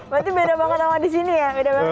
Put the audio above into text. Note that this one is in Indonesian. berarti beda banget sama di sini ya